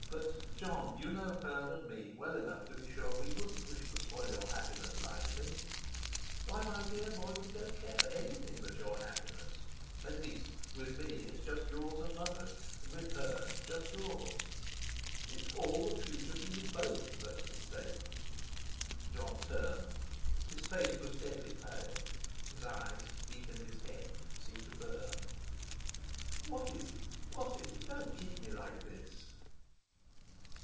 But, Jon, you know her and me well enough to be sure we wouldn't wish to spoil your happiness lightly. Why, my dear boy, we don't care for anything but your happiness—at least, with me it's just yours and Mother's and with her just yours. It's all the future for you both that's at stake." Jon turned. His face was deadly pale; his eyes, deep in his head, seemed to burn. "What is it? What is it? Don't keep me like this!"